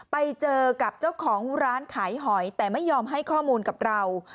ไปเจอกับเจ้าของร้านขายหอยแต่ไม่ยอมให้ข้อมูลกับเรา